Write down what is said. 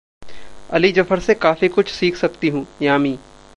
अली जफर से काफी कुछ सीख सकती हूं: यामी